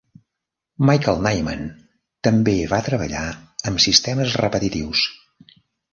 Michael Nyman també va treballar amb sistemes repetitius.